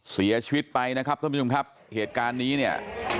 เสียชีวิตไปนะครับท่านผู้ชมครับเหตุการณ์นี้เนี่ย